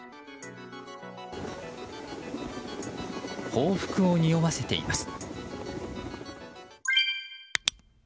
報復を匂わせています。